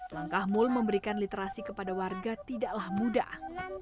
langkah mul memberikan literasi kepada warga tidaklah mudah